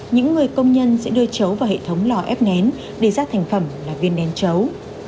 những người công nhân sẽ đưa trấu vào hệ thống lò ép nén để ra thành phẩm là viên nén trấu